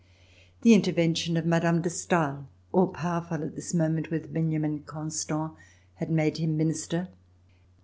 The intervention of Mme. de Stael, all powerful at this moment with Benjamin Constant, had made him Minister.